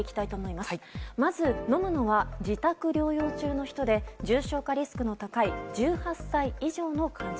まず飲むのは自宅療養中の人で重症化リスクの高い１８歳以上の患者。